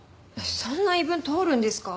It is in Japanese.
そんな言い分通るんですか？